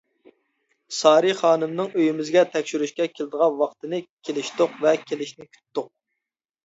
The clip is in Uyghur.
سارى خانىمنىڭ ئۆيىمىزگە تەكشۈرۈشكە كېلىدىغان ۋاقتىنى كېلىشتۇق ۋە كېلىشنى كۈتتۇق.